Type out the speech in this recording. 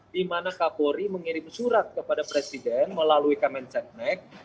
di mana kapolri mengirim surat kepada presiden melalui kemen seknek